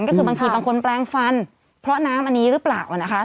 ก็คือบางทีบางคนแปลงฟันเพราะน้ำอันนี้หรือเปล่านะคะ